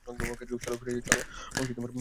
চলো ফিরে যাই।